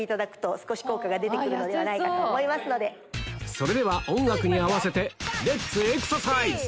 それでは音楽に合わせてレッツエクササイズ！